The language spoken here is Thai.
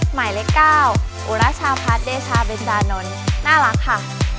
หมายเลข๙อุราชาพัฒน์เดชาเบจานนท์น่ารักค่ะ